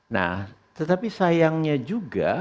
nah tetapi sayangnya juga